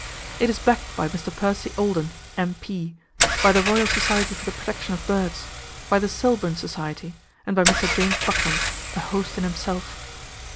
It is backed by Mr. Percy Alden, M.P., by the Royal Society for the Protection of Birds, by the Selbourne Society, and by Mr. James Buckland—a host in himself.